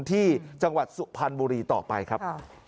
ที่จังหวัดสุพรรณบุรีต่อไปครับ